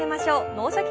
「脳シャキ！